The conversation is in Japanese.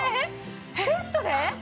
セットで？